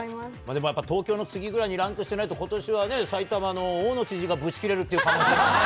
でもやっぱ東京の次ぐらいにランクしてないと、ことしはね、埼玉の大野知事がブチ切れるという可能性がね。